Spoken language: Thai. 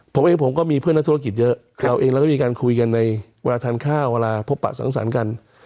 ผมเองผมก็มีเพื่อนนักธุรกิจเยอะเราเองเราก็มีการคุยกันในเวลาทานข้าวเวลาพบปะสังสรรค์กัน